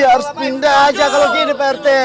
eh harus pindah aja kalau begini pak rt